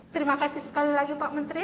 terima kasih sekali lagi pak menteri